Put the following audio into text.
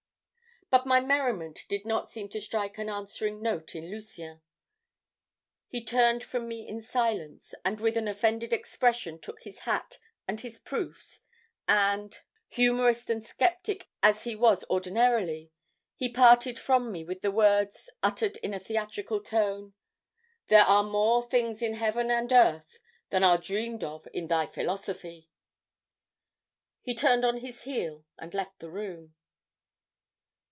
"But my merriment did not seem to strike an answering note in Lucien. He turned from me in silence, and with an offended expression took his hat and his proofs, and humorist and skeptic as he was ordinarily, he parted from me with the words, uttered in a theatrical tone: "'There are more things in heaven and earth than are dreamed of in thy philosophy.' "He turned on his heel and left the room.